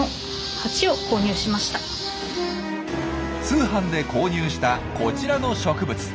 通販で購入したこちらの植物。